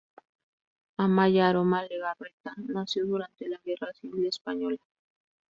Amaia Aroma Lejarreta, nació durante la Guerra Civil Española.